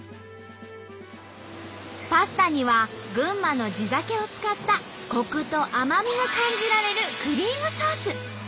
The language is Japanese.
パスタには群馬の地酒を使ったコクと甘みが感じられるクリームソース。